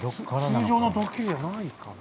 通常のドッキリじゃないから。